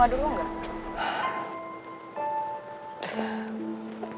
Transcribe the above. mau beli air sawah bunga dulu gak